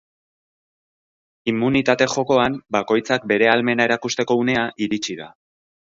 Immunitate-jokoan bakoitzak bere ahalmena erakusteko unea iritsi da.